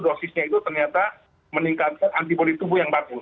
dosisnya itu ternyata meningkatkan antibody tubuh yang bagus